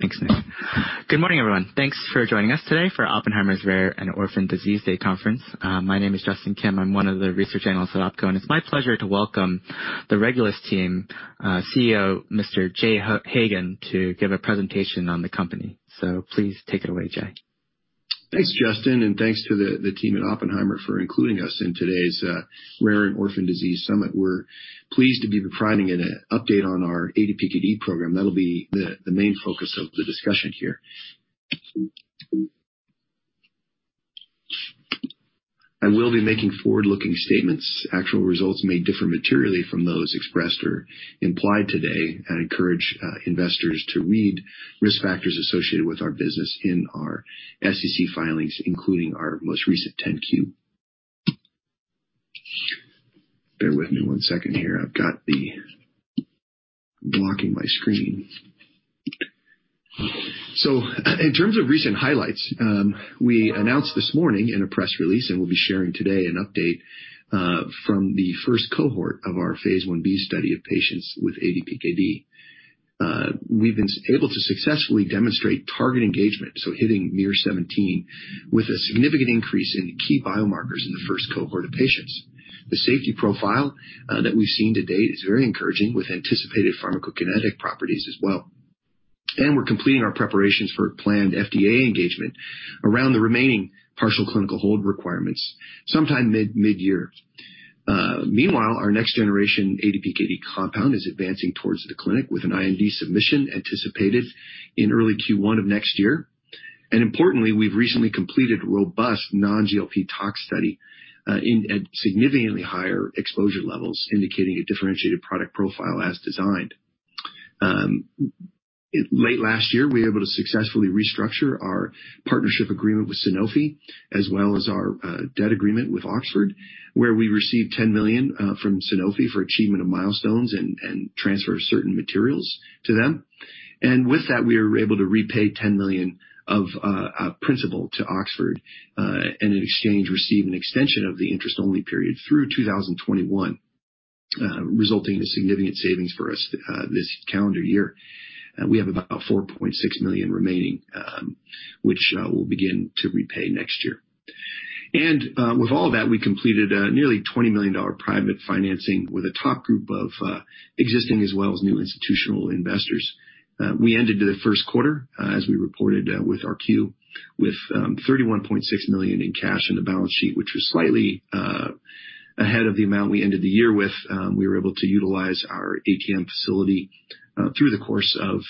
Thanks, Nick. Good morning, everyone. Thanks for joining us today for Oppenheimer Rare and Orphan Disease Summit. My name is Justin Kim. I'm one of the research analysts at Oppenheimer, and it's my pleasure to welcome the Regulus team, CEO, Mr. Jay Hagan, to give a presentation on the company. Please take it away, Jay. Thanks, Justin, and thanks to the team at Oppenheimer for including us in today's Rare and Orphan Disease Summit. We're pleased to be providing an update on our ADPKD program. That'll be the main focus of the discussion here. I will be making forward-looking statements. Actual results may differ materially from those expressed or implied today. I encourage investors to read risk factors associated with our business in our SEC filings, including our most recent 10-Q. Bear with me one second here. I've got the Blocking my screen. In terms of recent highlights, we announced this morning in a press release, and we'll be sharing today an update from the first cohort of our phase Ib study of patients with ADPKD. We've been able to successfully demonstrate target engagement, so hitting miR-17 with a significant increase in key biomarkers in the first cohort of patients. The safety profile that we've seen to date is very encouraging with anticipated pharmacokinetic properties as well. We're completing our preparations for planned FDA engagement around the remaining partial clinical hold requirements sometime mid-year. Meanwhile, our next-generation ADPKD compound is advancing towards the clinic with an IND submission anticipated in early Q1 of next year. Importantly, we've recently completed robust non-GLP tox study at significantly higher exposure levels, indicating a differentiated product profile as designed. Late last year, we were able to successfully restructure our partnership agreement with Sanofi, as well as our debt agreement with Oxford, where we received $10 million from Sanofi for achievement of milestones and transfer of certain materials to them. With that, we were able to repay $10 million of principal to Oxford, and in exchange, received an extension of the interest-only period through 2021, resulting in a significant savings for us this calendar year. We have about $4.6 million remaining, which we'll begin to repay next year. With all that, we completed a nearly $20 million private financing with a top group of existing as well as new institutional investors. We entered into the first quarter, as we reported with our 10-Q, with $31.6 million in cash on the balance sheet, which was slightly ahead of the amount we ended the year with. We were able to utilize our ATM facility through the course of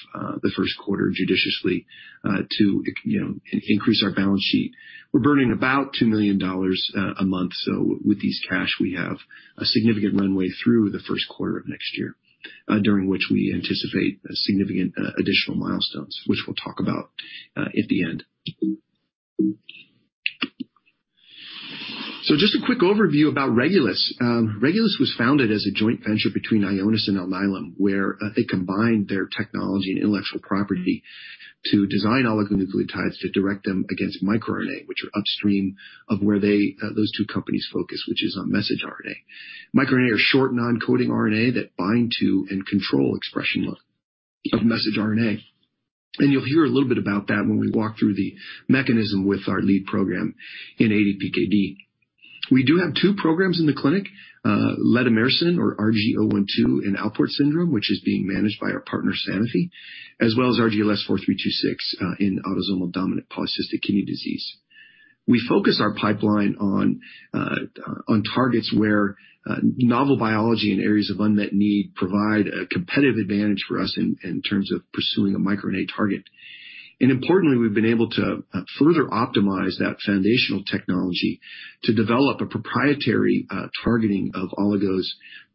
the first quarter judiciously to increase our balance sheet. We're burning about $2 million a month, with this cash, we have a significant runway through the first quarter of next year, during which we anticipate significant additional milestones, which we'll talk about at the end. Just a quick overview about Regulus. Regulus was founded as a joint venture between Ionis and Alnylam, where they combined their technology and intellectual property to design oligonucleotides to direct them against microRNA, which are upstream of where those two companies focus, which is on messenger RNA. MicroRNA are short non-coding RNA that bind to and control expression of messenger RNA. You'll hear a little bit about that when we walk through the mechanism with our lead program in ADPKD. We do have two programs in the clinic, Lademirsen or RG-012 in Alport syndrome, which is being managed by our partner, Sanofi, as well as RGLS4326 in autosomal dominant Polycystic Kidney Disease. We focus our pipeline on targets where novel biology and areas of unmet need provide a competitive advantage for us in terms of pursuing a microRNA target. Importantly, we've been able to further optimize that foundational technology to develop a proprietary targeting of oligos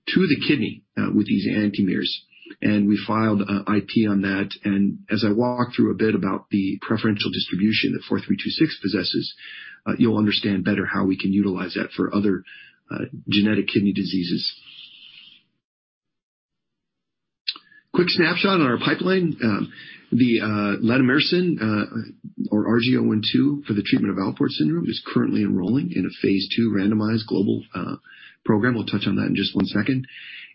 to the kidney with these anti-miRs, and we filed IP on that. As I walk through a bit about the preferential distribution that 4326 possesses, you'll understand better how we can utilize that for other genetic kidney diseases. Quick snapshot on our pipeline. The Lademirsen or RG-012 for the treatment of Alport syndrome is currently enrolling in a phase II randomized global program. We'll touch on that in just one second.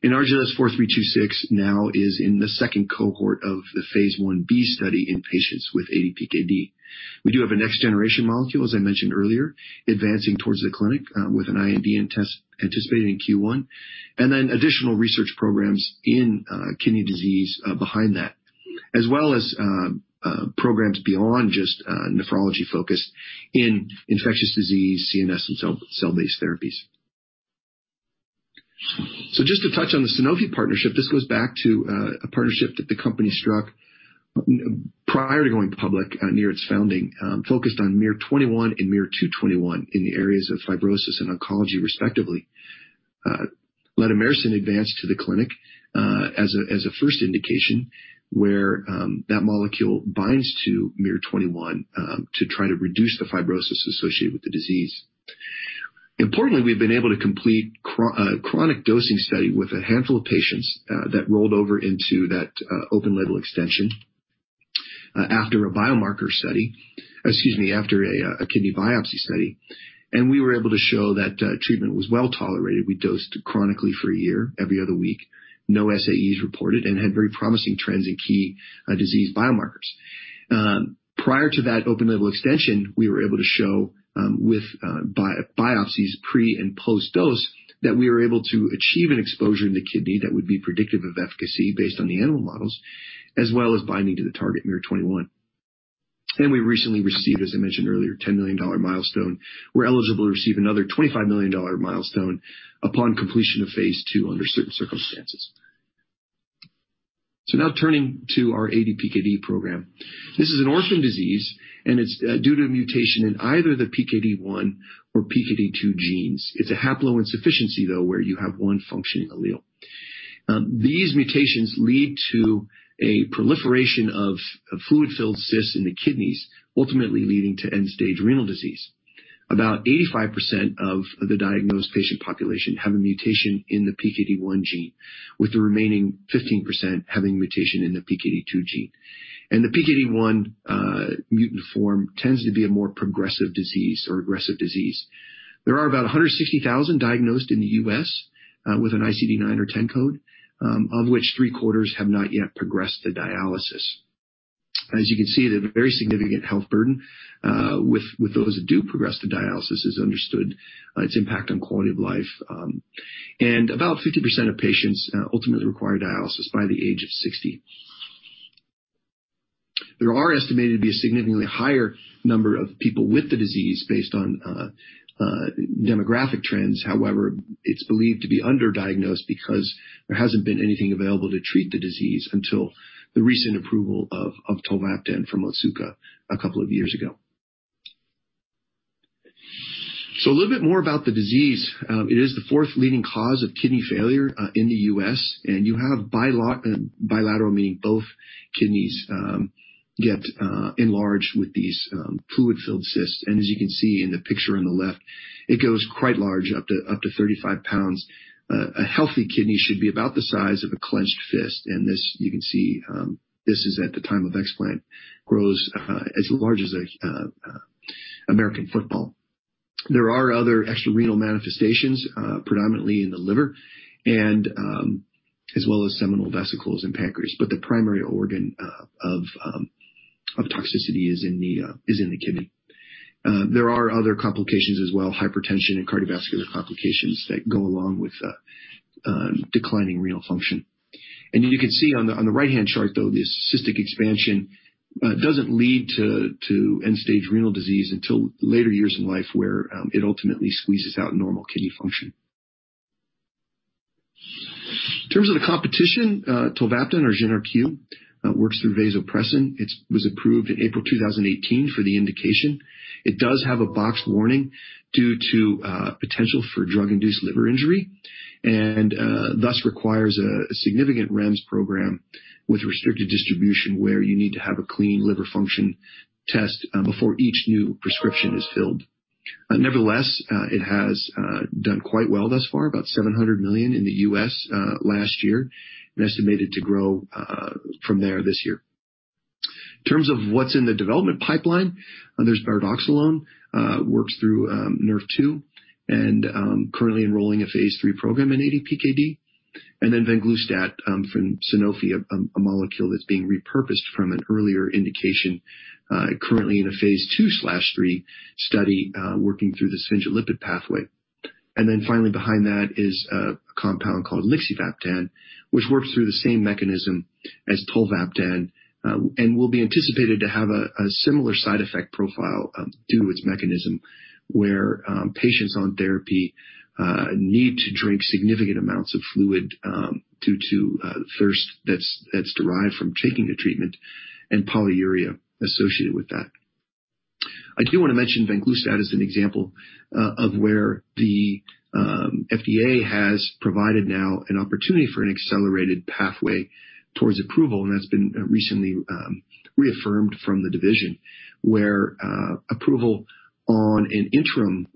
RGLS4326 now is in the second cohort of the phase Ib study in patients with ADPKD. We do have a next-generation molecule, as I mentioned earlier, advancing towards the clinic with an IND anticipated in Q1, and then additional research programs in kidney disease behind that. Programs beyond just nephrology-focused in infectious disease, CNS, and cell-based therapies. Just to touch on the Sanofi partnership, this goes back to a partnership that the company struck prior to going public near its founding, focused on miR-21 and miR-221 in the areas of fibrosis and oncology, respectively. Lademirsen advanced to the clinic as a first indication where that molecule binds to miR-21 to try to reduce the fibrosis associated with the disease. Importantly, we've been able to complete a chronic dosing study with a handful of patients that rolled over into that open-label extension after a biomarker study. Excuse me, after a kidney biopsy study. We were able to show that treatment was well-tolerated. We dosed chronically for a year, every other week. No SAEs reported and had very promising trends in key disease biomarkers. Prior to that open-label extension, we were able to show with biopsies pre- and post-dose that we were able to achieve an exposure in the kidney that would be predictive of efficacy based on the animal models, as well as binding to the target miR-21. We recently received, as I mentioned earlier, a $10 million milestone. We're eligible to receive another $25 million milestone upon completion of phase II under certain circumstances. Now turning to our ADPKD program. This is an orphan disease, and it's due to a mutation in either the PKD1 or PKD2 genes. It's a haploinsufficiency, though, where you have one functioning allele. These mutations lead to a proliferation of fluid-filled cysts in the kidneys, ultimately leading to end-stage renal disease. About 85% of the diagnosed patient population have a mutation in the PKD1 gene, with the remaining 15% having a mutation in the PKD2 gene. The PKD1 mutant form tends to be a more progressive disease or aggressive disease. There are about 160,000 diagnosed in the U.S. with an ICD-9 or 10 code, of which three-quarters have not yet progressed to dialysis. As you can see, they have a very significant health burden, with those that do progress to dialysis as understood its impact on quality of life, and about 50% of patients ultimately require dialysis by the age of 60. There are estimated to be a significantly higher number of people with the disease based on demographic trends. However, it's believed to be underdiagnosed because there hasn't been anything available to treat the disease until the recent approval of tolvaptan from Otsuka a couple of years ago. A little bit more about the disease. It is the fourth leading cause of kidney failure in the U.S., and you have bilateral, meaning both kidneys get enlarged with these fluid-filled cysts. As you can see in the picture on the left, it grows quite large, up to 35 lbs. A healthy kidney should be about the size of a clenched fist. This, you can see, this is at the time of explant, grows as large as an American football. There are other extrarenal manifestations predominantly in the liver and as well as seminal vesicles and pancreas, but the primary organ of toxicity is in the kidney. There are other complications as well, hypertension and cardiovascular complications that go along with declining renal function. You can see on the right-hand chart, though, this cystic expansion doesn't lead to end-stage renal disease until later years in life, where it ultimately squeezes out normal kidney function. In terms of the competition, tolvaptan or Jynarque works through vasopressin. It was approved in April 2018 for the indication. It does have a boxed warning due to potential for drug-induced liver injury and thus requires a significant REMS program with restricted distribution where you need to have a clean liver function test before each new prescription is filled. Nevertheless, it has done quite well thus far, about $700 million in the U.S. last year and estimated to grow from there this year. In terms of what's in the development pipeline, there's bardoxolone, works through Nrf2 and currently enrolling a phase III program in ADPKD, and then venglustat from Sanofi, a molecule that's being repurposed from an earlier indication, currently in a phase II/III study working through the sphingolipid pathway. Finally behind that is a compound called lixivaptan, which works through the same mechanism as tolvaptan and will be anticipated to have a similar side effect profile due to its mechanism, where patients on therapy need to drink significant amounts of fluid due to thirst that's derived from taking the treatment and polyuria associated with that. I do want to mention venglustat as an example of where the FDA has provided now an opportunity for an accelerated pathway towards approval, that's been recently reaffirmed from the division where approval on an interim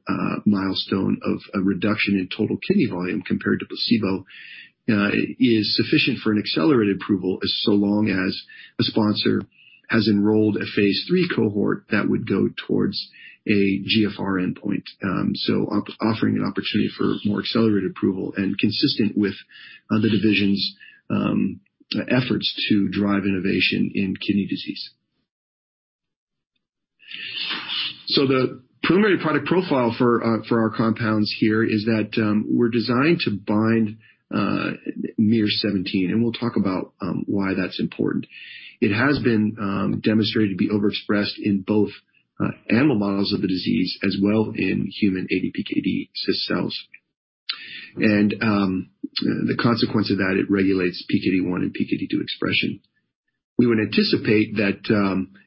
milestone of a reduction in total kidney volume compared to placebo is sufficient for an accelerated approval so long as a sponsor has enrolled a phase III cohort that would go towards a GFR endpoint. Offering an opportunity for more accelerated approval and consistent with the division's efforts to drive innovation in kidney disease. The preliminary product profile for our compounds here is that we're designed to bind miR-17, we'll talk about why that's important. It has been demonstrated to be overexpressed in both animal models of the disease as well in human ADPKD cyst cells. The consequence of that, it regulates PKD1 and PKD2 expression. We would anticipate that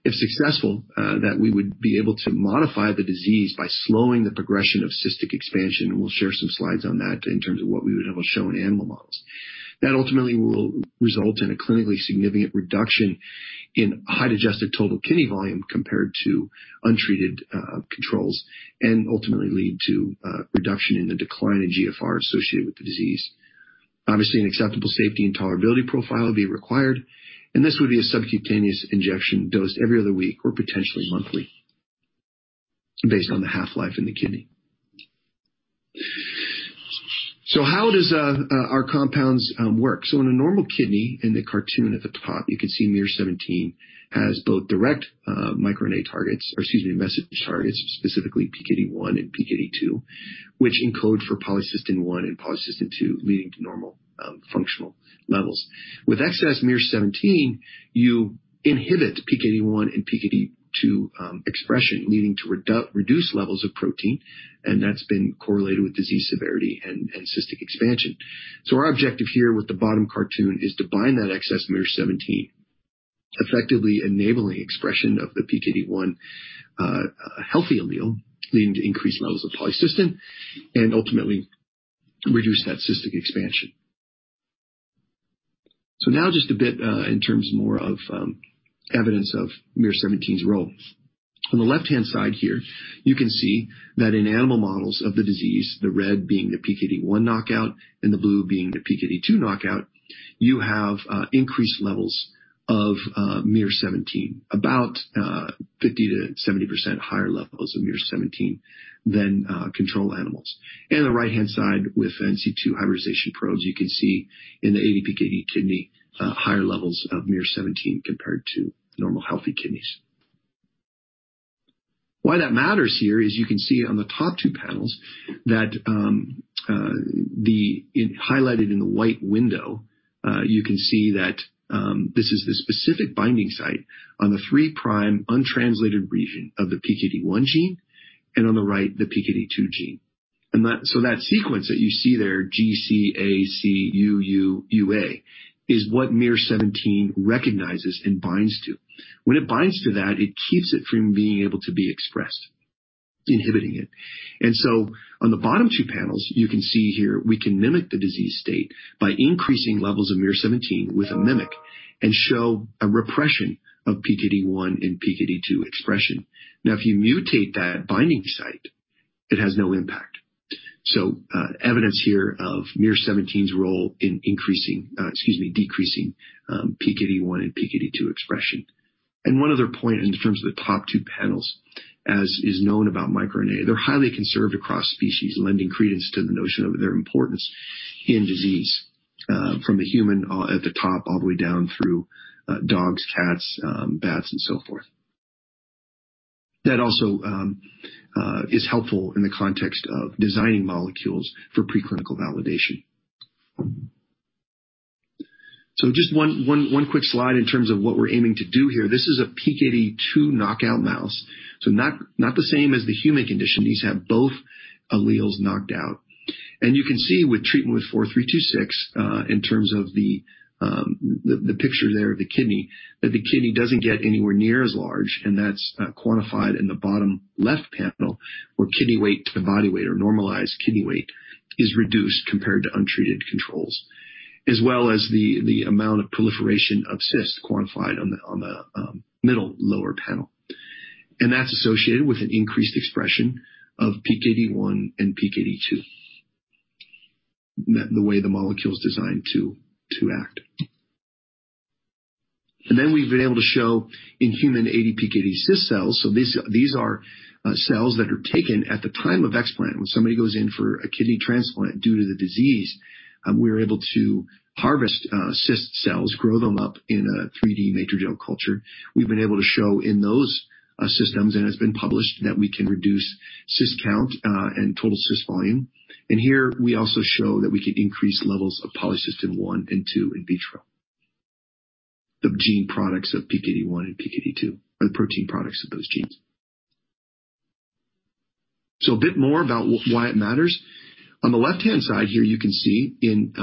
if successful, that we would be able to modify the disease by slowing the progression of cystic expansion, and we'll share some slides on that in terms of what we would have shown in animal models. That ultimately will result in a clinically significant reduction in height-adjusted total kidney volume compared to untreated controls and ultimately lead to a reduction in the decline in GFR associated with the disease. Obviously, an acceptable safety and tolerability profile would be required, and this would be a subcutaneous injection dosed every other week or potentially monthly based on the half-life in the kidney. How does our compounds work? In a normal kidney, in the cartoon at the top, you can see miR-17 has both direct microRNA targets, or excuse me, messenger targets, specifically PKD1 and PKD2, which encode for Polycystin-1 and Polycystin-2, leading to normal functional levels. With excess miR-17, you inhibit PKD1 and PKD2 expression, leading to reduced levels of Polycystin, that's been correlated with disease severity and cystic expansion. Our objective here with the bottom cartoon is to bind that excess miR-17, effectively enabling expression of the PKD1 healthy allele, leading to increased levels of Polycystin, ultimately reduce that cystic expansion. Now just a bit in terms of more of evidence of miR-17's role. On the left-hand side here, you can see that in animal models of the disease, the red being the PKD1 knockout and the blue being the PKD2 knockout, you have increased levels of miR-17, about 50%-70% higher levels of miR-17 than control animals. The right-hand side with in situ hybridization probes, you can see in the ADPKD kidney, higher levels of miR-17 compared to normal healthy kidneys. Why that matters here is you can see on the top two panels that, highlighted in the white window, you can see that this is the specific binding site on the three prime untranslated region of the PKD1 gene and on the right, the PKD2 gene. That sequence that you see there, GCACUUUA, is what miR-17 recognizes and binds to. When it binds to that, it keeps it from being able to be expressed, inhibiting it. On the bottom two panels, you can see here we can mimic the disease state by increasing levels of miR-17 with a mimic and show a repression of PKD1 and PKD2 expression. Now, if you mutate that binding site, it has no impact. Evidence here of miR-17's role in excuse me, decreasing PKD1 and PKD2 expression. One other point in terms of the top two panels, as is known about microRNA, they're highly conserved across species, lending credence to the notion of their importance in disease, from the human at the top all the way down through dogs, cats, bats, and so forth. That also is helpful in the context of designing molecules for preclinical validation. Just one quick slide in terms of what we're aiming to do here. This is a PKD2 knockout mouse, so not the same as the human condition. These have both alleles knocked out. You can see with treatment with RGLS4326, in terms of the picture there of the kidney, that the kidney doesn't get anywhere near as large, and that's quantified in the bottom left panel, where kidney weight to body weight or normalized kidney weight is reduced compared to untreated controls. The amount of proliferation of cysts quantified on the middle lower panel. That's associated with an increased expression of PKD1 and PKD2, the way the molecule is designed to act. We've been able to show in human ADPKD cyst cells, so these are cells that are taken at the time of explant when somebody goes in for a kidney transplant due to the disease, we're able to harvest cyst cells, grow them up in a 3D Matrigel culture. We've been able to show in those systems, it's been published, that we can reduce cyst count and total cyst volume. Here we also show that we can increase levels of Polycystin-1 and two in vitro, the gene products of PKD1 and PKD2, or the protein products of those genes. A bit more about why it matters. On the left-hand side here, you can see in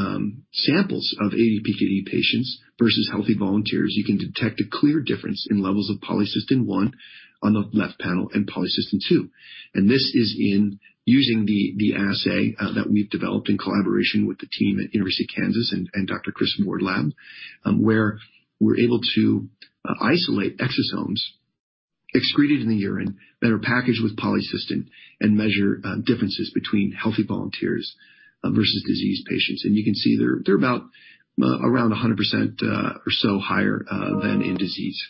samples of ADPKD patients versus healthy volunteers, you can detect a clear difference in levels of Polycystin-1 on the left panel and Polycystin-2. This is in using the assay that we've developed in collaboration with the team at University of Kansas and Dr. Chris Ward lab, where we're able to isolate exosomes excreted in the urine that are packaged with Polycystin and measure differences between healthy volunteers versus disease patients. You can see they're about around 100% or so higher than in disease.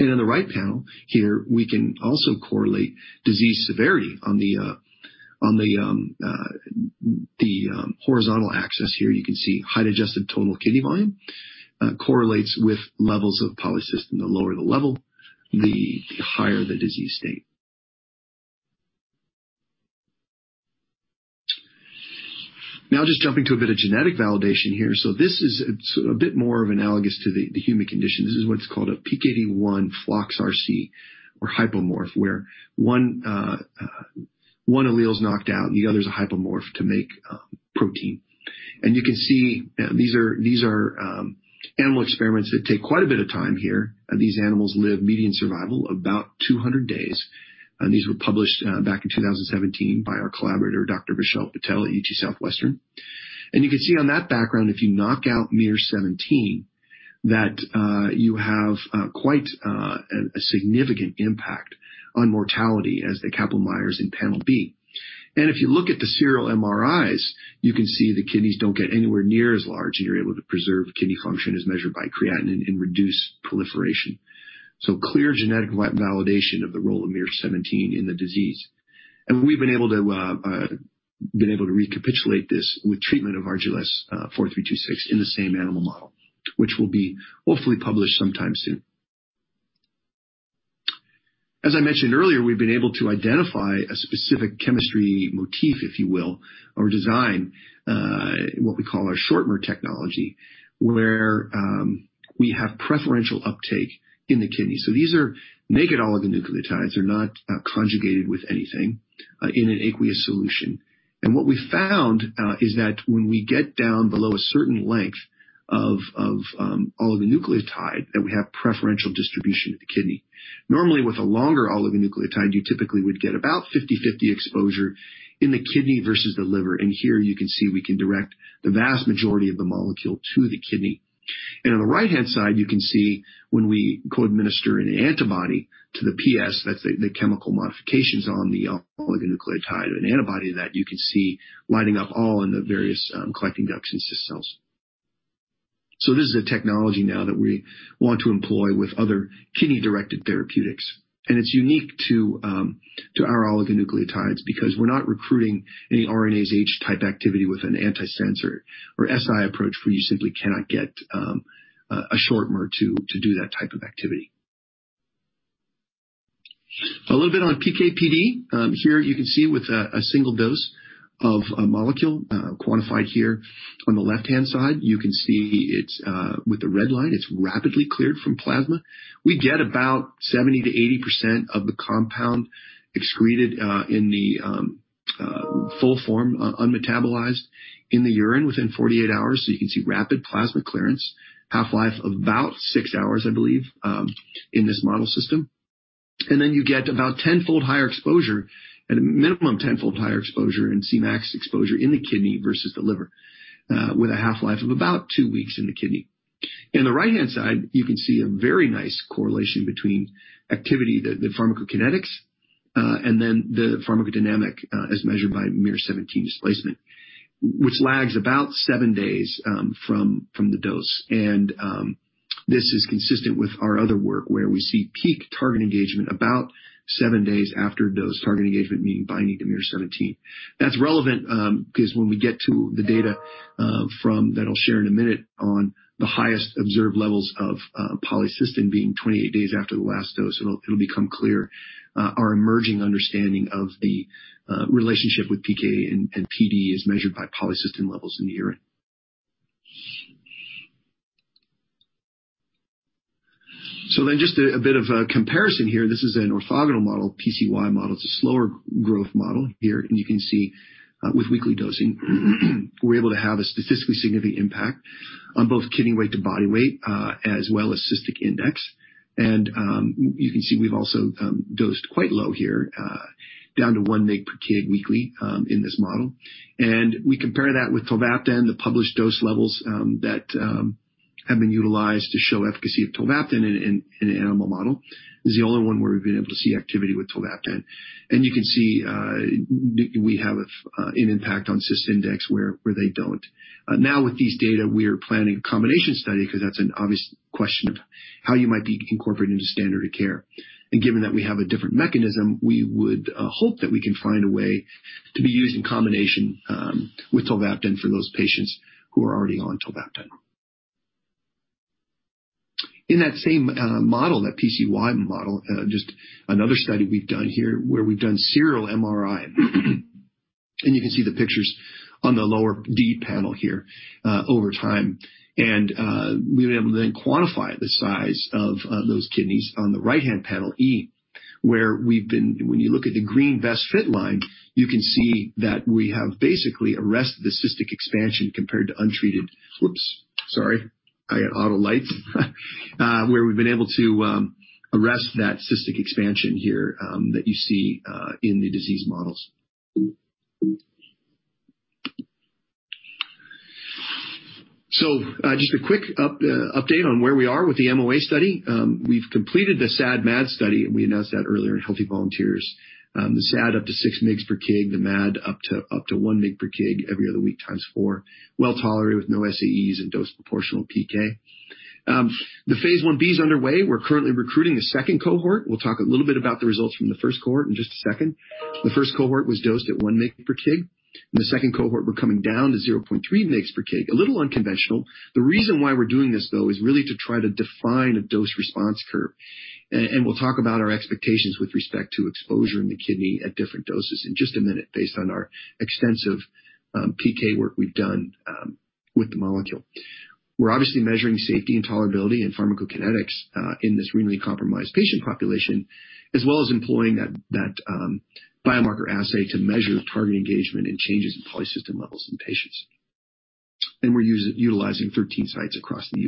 On the right panel here, we can also correlate disease severity on the horizontal axis here. You can see height-adjusted total kidney volume correlates with levels of Polycystin. The lower the level, the higher the disease state. Now just jumping to a bit of genetic validation here. This is a bit more of analogous to the human condition. This is what's called a Pkd1flox/RC or hypomorph, where one allele is knocked out, the other's a hypomorph to make protein. You can see these are animal experiments that take quite a bit of time here. These animals live median survival about 200 days. These were published back in 2017 by our collaborator, Dr. Vishal Patel at UT Southwestern. You can see on that background, if you knock out miR-17, that you have quite a significant impact on mortality as the Kaplan-Meier in panel B. If you look at the serial MRIs, you can see the kidneys don't get anywhere near as large, and you're able to preserve kidney function as measured by creatinine and reduce proliferation. Clear genetic validation of the role of miR-17 in the disease. We've been able to recapitulate this with treatment of RGLS4326 in the same animal model, which will be hopefully published sometime soon. As I mentioned earlier, we've been able to identify a specific chemistry motif, if you will, or design, what we call our ShortMer technology, where we have preferential uptake in the kidney. These are naked oligonucleotides. They're not conjugated with anything in an aqueous solution. What we found is that when we get down below a certain length of oligonucleotide, that we have preferential distribution to the kidney. Normally with a longer oligonucleotide, you typically would get about 50/50 exposure in the kidney versus the liver, and here you can see we can direct the vast majority of the molecule to the kidney. On the right-hand side, you can see when we co-administer an antibody to the PS, that is the chemical modifications on the oligonucleotide or an antibody that you can see lining up all in the various collecting ducts and cyst cells. This is a technology now that we want to employ with other kidney-directed therapeutics, and it is unique to our oligonucleotides because we are not recruiting any RNase H-type activity with an antisense or SI approach where you simply cannot get a ShortMer to do that type of activity. A little bit on PK/PD. Here you can see with a single dose of a molecule quantified here on the left-hand side. You can see with the red line, it is rapidly cleared from plasma. We get about 70%-80% of the compound excreted in the full form, unmetabolized in the urine within 48 hours. You can see rapid plasma clearance, half-life of about six hours, I believe, in this model system. You get about tenfold higher exposure at a minimum, tenfold higher exposure and Cmax exposure in the kidney versus the liver with 1/2-life of about two weeks in the kidney. In the right-hand side, you can see a very nice correlation between activity, the pharmacokinetics, and then the pharmacodynamic, as measured by miR-17 displacement, which lags about seven days from the dose. This is consistent with our other work where we see peak target engagement about seven days after dose target engagement, meaning binding to miR-17. That's relevant because when we get to the data that I'll share in a minute on the highest observed levels of Polycystin being 28 days after the last dose, it'll become clear our emerging understanding of the relationship with PK and PD as measured by Polycystin levels in the urine. Just a bit of a comparison here. This is an orthogonal model. Pcy model is a slower growth model here, and you can see with weekly dosing we're able to have a statistically significant impact on both kidney weight to body weight as well as cystic index. You can see we've also dosed quite low here, down to 1 mg/kg weekly in this model. We compare that with tolvaptan, the published dose levels that have been utilized to show efficacy of tolvaptan in an animal model. This is the only one where we've been able to see activity with tolvaptan. You can see we have an impact on cystic index where they don't. Now with these data, we are planning a combination study because that's an obvious question of how you might be incorporated into standard of care. Given that we have a different mechanism, we would hope that we can find a way to be used in combination with tolvaptan for those patients who are already on tolvaptan. In that same model, that pcy model, just another study we've done here where we've done serial MRI. You can see the pictures on the lower D panel here over time. We were able to then quantify the size of those kidneys on the right-hand panel E, where when you look at the green best fit line, you can see that we have basically arrested the cystic expansion compared to untreated. Whoops, sorry. I got auto lights. Where we've been able to arrest that cystic expansion here that you see in the disease models. Just a quick update on where we are with the MOA study. We've completed the SAD/MAD study, and we announced that earlier in healthy volunteers. The SAD up to 6 mg/kg, the MAD up to 1 mg/kg every other week times four. Well tolerated with no SAEs and dose proportional PK. The phase Ib is underway. We're currently recruiting a second cohort. We'll talk a little bit about the results from the first cohort in just a second. The first cohort was dosed at 1 mg/kg. The second cohort, we're coming down to 0.3 mg/kg. A little unconventional. The reason why we're doing this, though, is really to try to define a dose response curve. We'll talk about our expectations with respect to exposure in the kidney at different doses in just a minute based on our extensive PK work we've done with the molecule. We're obviously measuring safety and tolerability and pharmacokinetics in this renally compromised patient population, as well as employing that biomarker assay to measure target engagement and changes in Polycystin levels in patients. We're utilizing 13 sites across the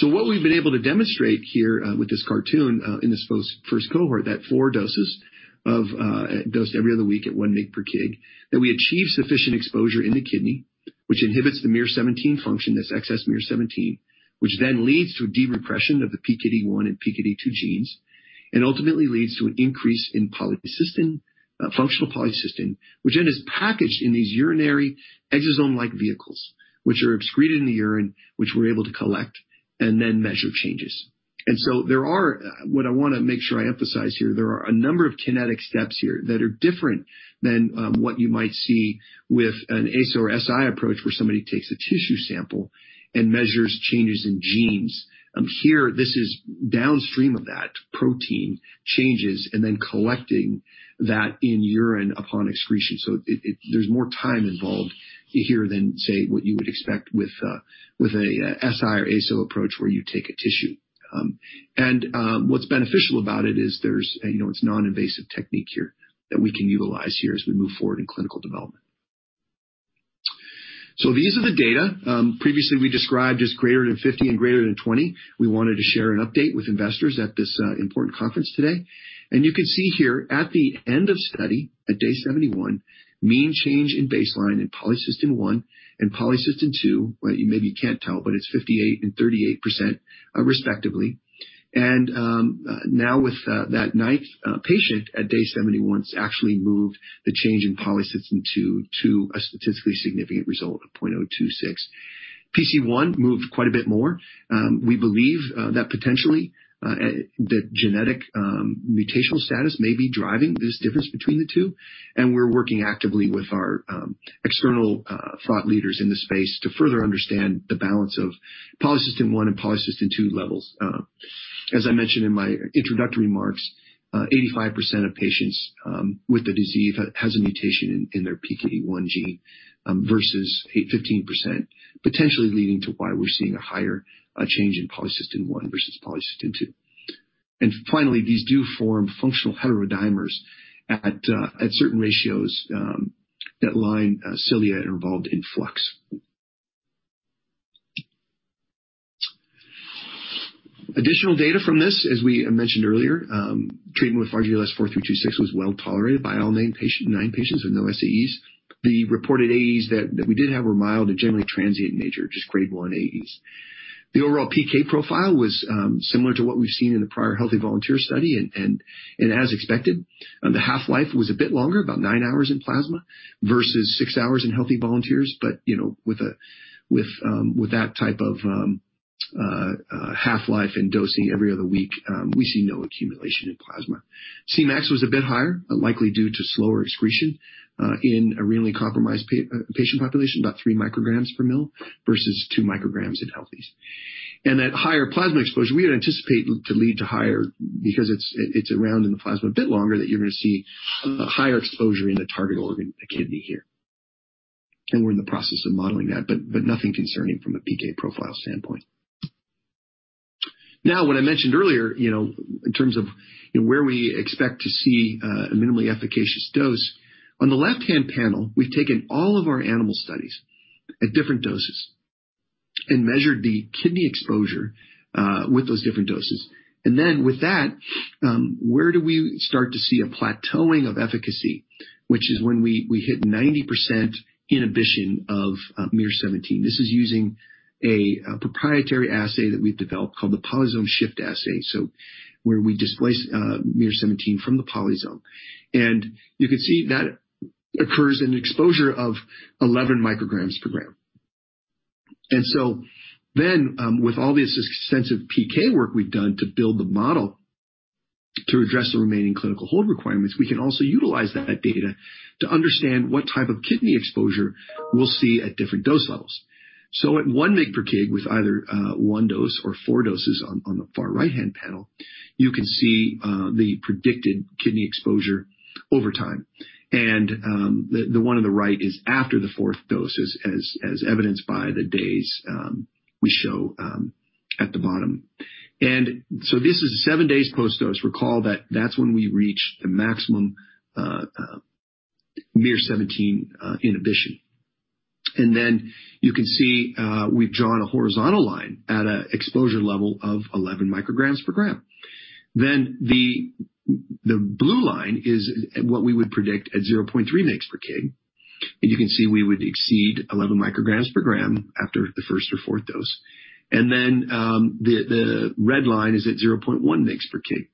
U.S.. What we've been able to demonstrate here with this cartoon in this first cohort, that four doses dosed every other week at 1 mg/kg, that we achieve sufficient exposure in the kidney, which inhibits the miR-17 function, this excess miR-17, which then leads to a de-repression of the PKD1 and PKD2 genes, and ultimately leads to an increase in functional Polycystin, which then is packaged in these urinary exosome-like vesicles, which are excreted in the urine, which we're able to collect and then measure changes. What I want to make sure I emphasize here, there are a number of kinetic steps here that are different than what you might see with an ASO or siRNA approach, where somebody takes a tissue sample and measures changes in genes. Here this is downstream of that, protein changes, and then collecting that in urine upon excretion. There's more time involved here than, say, what you would expect with a siRNA or ASO approach where you take a tissue. What's beneficial about it is it's a non-invasive technique here that we can utilize here as we move forward in clinical development. These are the data, previously we described as greater than 50 and greater than 20. We wanted to share an update with investors at this important conference today. You can see here at the end of study at day 71, mean change in baseline in Polycystin-1 and Polycystin-2, you maybe can't tell, but it's 58% and 38%, respectively. Now with that ninth patient at day 71, it's actually moved the change in Polycystin-2 to a statistically significant result of 0.026. PC1 moved quite a bit more. We believe that potentially the genetic mutational status may be driving this difference between the two, and we're working actively with our external thought leaders in the space to further understand the balance of Polycystin-1 and Polycystin-2 levels. As I mentioned in my introductory remarks, 85% of patients with the disease have a mutation in their PKD1 gene versus 15%, potentially leading to why we're seeing a higher change in Polycystin-1 versus Polycystin-2. Finally, these do form functional heterodimers at certain ratios that line cilia involved in flux. Additional data from this, as we mentioned earlier, treatment with RGLS4326 was well-tolerated by all nine patients with no SAEs. The reported AEs that we did have were mild to generally transient nature, just grade one AEs. The overall PK profile was similar to what we've seen in the prior healthy volunteer study. As expected, the half-life was a bit longer, about nine hours in plasma versus six hours in healthy volunteers, but with that type of half-life and dosing every other week, we see no accumulation in plasma. Cmax was a bit higher, likely due to slower excretion in a renally compromised patient population, about 3 mcg/ml versus 2 mcg in healthies. At higher plasma exposure, we would anticipate them to lead to higher because it's around in the plasma a bit longer, that you're going to see a higher exposure in the target organ, the kidney here. We're in the process of modeling that, but nothing concerning from a PK profile standpoint. Now what I mentioned earlier, in terms of where we expect to see a minimally efficacious dose, on the left-hand panel, we've taken all of our animal studies at different doses and measured the kidney exposure with those different doses. With that, where do we start to see a plateauing of efficacy, which is when we hit 90% inhibition of miR-17. This is using a proprietary assay that we developed called the polysome shift assay, so where we displace miR-17 from the polysome, and you can see that occurs in exposure of 11 mcg/g. With all this extensive PK work we've done to build the model to address the remaining clinical hold requirements, we can also utilize that data to understand what type of kidney exposure we'll see at different dose levels. At 1 mg/kg with either one dose or four doses on the far right-hand panel, you can see the predicted kidney exposure over time, and the one on the right is after the fourth dose, as evidenced by the days we show at the bottom. This is seven days post-dose, recall that that's when we reached the maximum miR-17 inhibition. You can see we've drawn a horizontal line at an exposure level of 11 mcg/g. The blue line is what we would predict at 0.3 mg/kg, and you can see we would exceed 11 mcg/g after the first or fourth dose. The red line is at 0.1 mg/kg.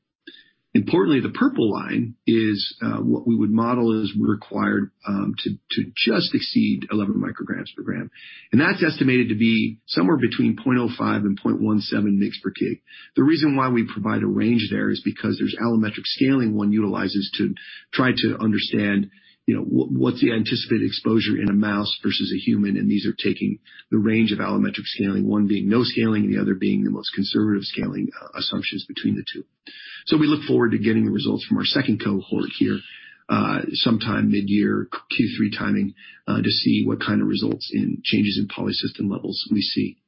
Importantly, the purple line is what we would model as we required to just exceed 11 mcg/g, and that's estimated to be somewhere between 0.05 and 0.17 mg/kg. The reason why we provide a range there is because there's allometric scaling one utilizes to try to understand what's the anticipated exposure in a mouse versus a human, and these are taking the range of allometric scaling, one being no scaling and the other being the most conservative scaling assumptions between the two. We look forward to getting the results from our second cohort here, sometime mid-year Q3 timing, to see what kind of results in changes in Polycystin levels we see.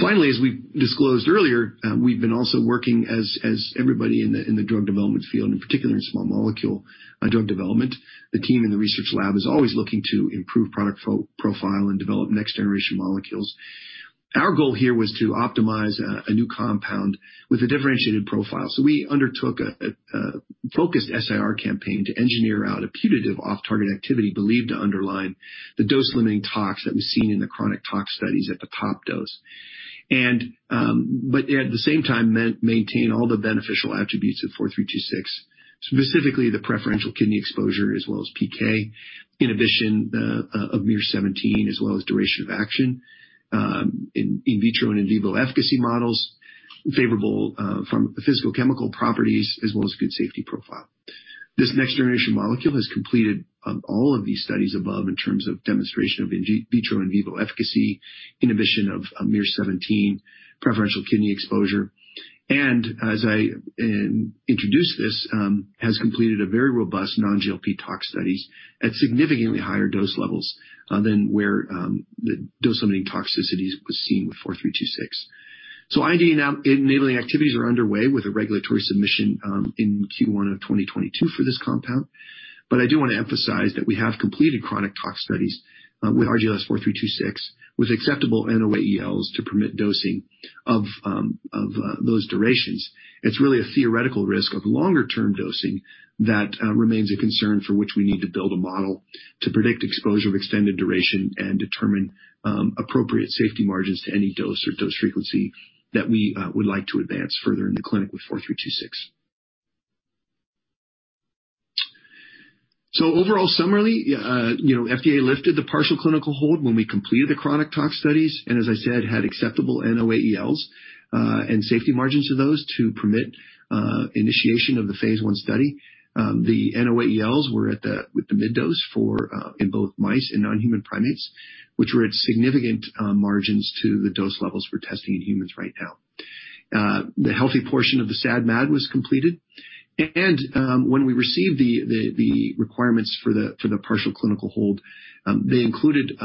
Finally, as we disclosed earlier, we've been also working as everybody in the drug development field, and particularly in small molecule drug development, the team in the research lab is always looking to improve product profile and develop next-generation molecules. Our goal here was to optimize a new compound with a differentiated profile. We undertook a focused SAR campaign to engineer out a putative off-target activity believed to underlie the dose-limiting tox that was seen in the chronic tox studies at the top dose. At the same time, maintain all the beneficial attributes of RGLS4326, specifically the preferential kidney exposure as well as PK inhibition of miR-17 as well as duration of action, in vitro and in vivo efficacy models, favorable from physicochemical properties as well as good safety profile. This next-generation molecule has completed all of these studies above in terms of demonstration of in vitro, in vivo efficacy, inhibition of miR-17, preferential kidney exposure. As I introduced this, has completed a very robust non-GLP tox studies at significantly higher dose levels than where the dose-limiting toxicities was seen with 4326. IND enabling activities are underway with a regulatory submission in Q1 of 2022 for this compound. I do want to emphasize that we have completed chronic tox studies with RGLS4326 with acceptable NOAELs to permit dosing of those durations. It's really a theoretical risk of longer-term dosing that remains a concern for which we need to build a model to predict exposure of extended duration and determine appropriate safety margins to any dose or dose frequency that we would like to advance further in the clinic with RGLS4326. Overall summary, FDA lifted the partial clinical hold when we completed the chronic tox studies and as I said, had acceptable NOAELs, and safety margins of those to permit initiation of the phase I study. The NOAELs were with the mid dose in both mice and non-human primates, which were at significant margins to the dose levels we're testing in humans right now. The healthy portion of the SAD/MAD was completed. When we received the requirements for the partial clinical hold, they included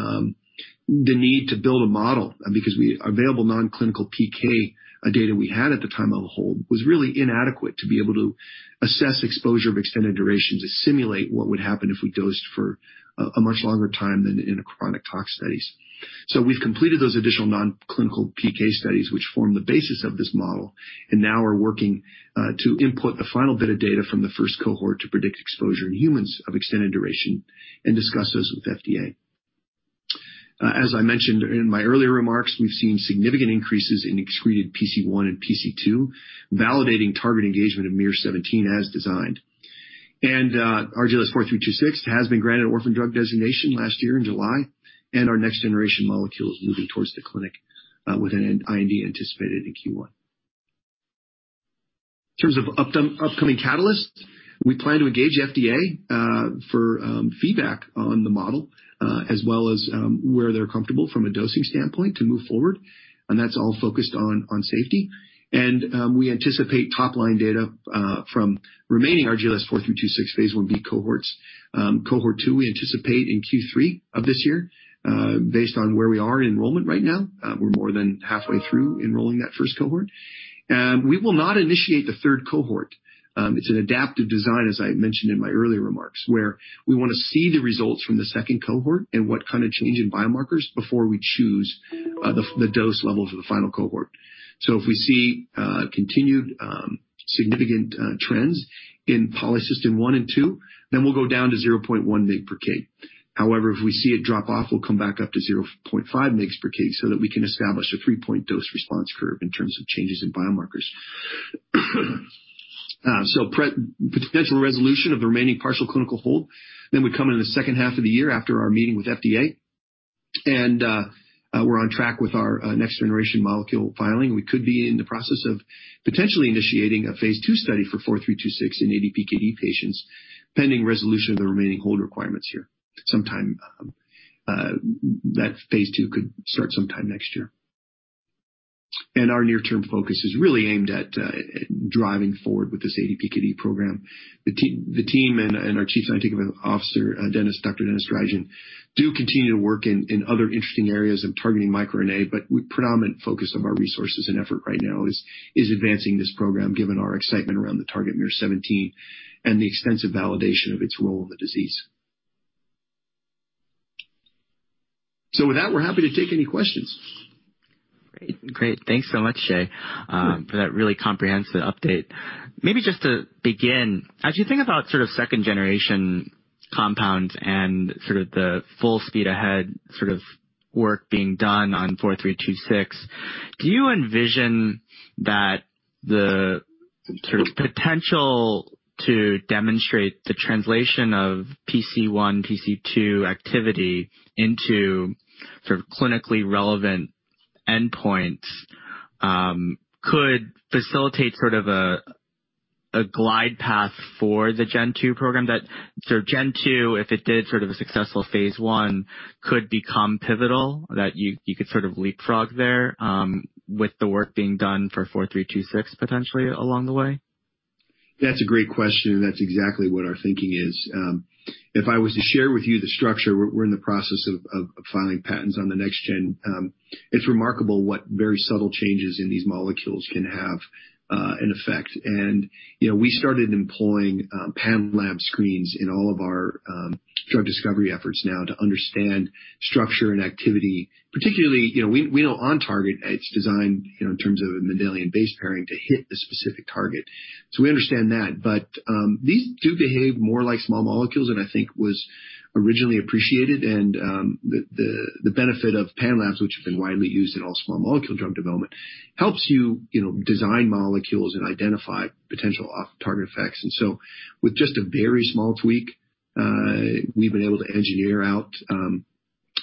the need to build a model because available non-clinical PK data we had at the time of the hold was really inadequate to be able to assess exposure of extended duration to simulate what would happen if we dosed for a much longer time than in a chronic tox studies. We've completed those additional non-clinical PK studies, which form the basis of this model, and now we're working to input the final bit of data from the first cohort to predict exposure in humans of extended duration and discuss those with FDA. As I mentioned in my earlier remarks, we've seen significant increases in excreted PC1 and PC2, validating target engagement of miR-17 as designed. RGLS4326 has been granted orphan drug designation last year in July, and our next-generation molecule is moving towards the clinic with an IND anticipated in Q1. In terms of upcoming catalysts, we plan to engage FDA for feedback on the model, as well as where they are comfortable from a dosing standpoint to move forward, and that is all focused on safety. We anticipate top-line data from remaining RGLS4326 phase Ib cohorts. Cohort two, we anticipate in Q3 of this year. Based on where we are in enrollment right now, we are more than halfway through enrolling that first cohort. We will not initiate the third cohort. It's an adaptive design, as I mentioned in my earlier remarks, where we want to see the results from the second cohort and what kind of change in biomarkers before we choose the dose level for the final cohort. If we see continued significant trends in Polycystin-1 and two, we'll go down to 0.1 mg/kg. If we see it drop off, we'll come back up to 0.5 mg/kg so that we can establish a three-point dose response curve in terms of changes in biomarkers. Potential resolution of the remaining partial clinical hold would come in the second half of the year after our meeting with FDA. We're on track with our next-generation molecule filing. We could be in the process of potentially initiating a phase II study for RGLS4326 in ADPKD patients, pending resolution of the remaining hold requirements here. That phase II could start sometime next year. Our near-term focus is really aimed at driving forward with this ADPKD program. The team and our Chief Scientific Officer, Dr. Denis Drygin, do continue to work in other interesting areas of targeting microRNA, but predominant focus of our resources and effort right now is advancing this program given our excitement around the target miR-17 and the extensive validation of its role in the disease. With that, we're happy to take any questions. Great. Thanks so much, Jay, for that really comprehensive update. Maybe just to begin, as you think about sort of second-generation compounds and sort of the full speed ahead sort of work being done on RGLS4326, do you envision that the sort of potential to demonstrate the translation of PC1, PC2 activity into sort of clinically relevant endpoints, could facilitate sort of a glide path for the Gen 2 program that sort of Gen 2, if it did sort of a successful phase I, could become pivotal, that you could sort of leapfrog there, with the work being done for RGLS4326 potentially along the way? That's a great question, and that's exactly what our thinking is. If I was to share with you the structure, we're in the process of filing patents on the next gen. It's remarkable what very subtle changes in these molecules can have an effect. We started employing panel screens in all of our drug discovery efforts now to understand structure and activity. Particularly, we know on target it's designed in terms of a Watson-Crick base pairing to hit a specific target. We understand that. These do behave more like small molecules than I think was originally appreciated and the benefit of panels, which have been widely used in all small molecule drug development, helps you design molecules and identify potential off-target effects. With just a very small tweak, we've been able to engineer out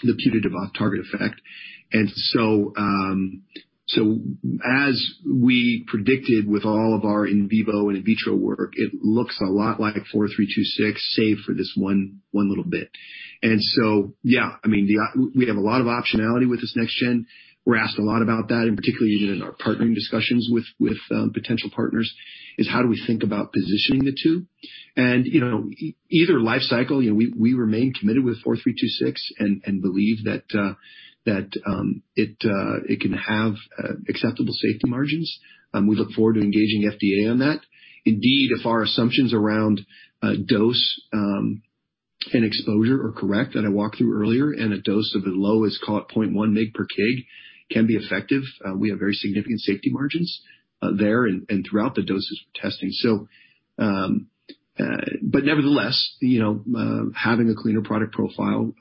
the putative off-target effect. As we predicted with all of our in vivo and in vitro work, it looks a lot like RGLS4326 save for this one little bit. Yeah, we have a lot of optionality with this next gen. We're asked a lot about that, and particularly even in our partnering discussions with potential partners is how do we think about positioning the two. Either life cycle, we remain committed with RGLS4326 and believe that it can have acceptable safety margins. We look forward to engaging FDA on that. If our assumptions around dose and exposure are correct that I walked through earlier, and a dose of as low as 0.1 mg/kg can be effective, we have very significant safety margins there and throughout the doses we're testing. Nevertheless, having a cleaner product profile,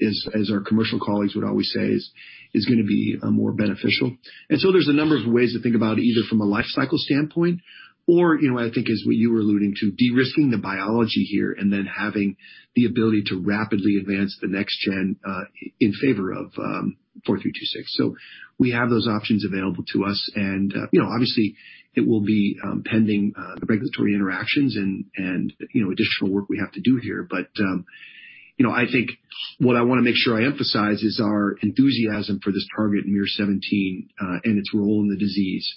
as our commercial colleagues would always say, is going to be more beneficial. There's a number of ways to think about it, either from a life cycle standpoint or, I think is what you were alluding to, de-risking the biology here and then having the ability to rapidly advance the next gen in favor of 4326. We have those options available to us and obviously it will be pending regulatory interactions and additional work we have to do here. I think what I want to make sure I emphasize is our enthusiasm for this target, miR-17, and its role in the disease.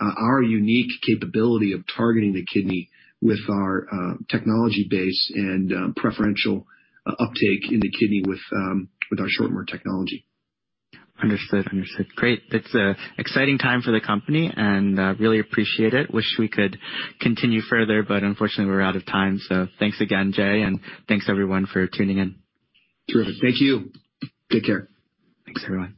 Our unique capability of targeting the kidney with our technology base and preferential uptake in the kidney with our ShortMer technology. Understood. Great. It's an exciting time for the company and really appreciate it. Wish we could continue further, unfortunately, we're out of time. Thanks again, Jay, and thanks everyone for tuning in. Terrific. Thank you. Take care. Thanks everyone.